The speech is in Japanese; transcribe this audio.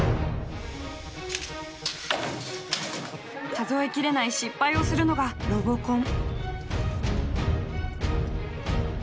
数えきれない失敗をするのがロボコン。